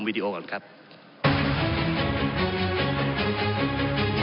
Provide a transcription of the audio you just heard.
ก็ได้มีการอภิปรายในภาคของท่านประธานที่กรกครับ